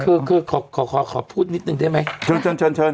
คือคือขอขอขอขอพูดนิดหนึ่งได้ไหมเชิญเชิญเชิญ